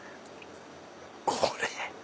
これ！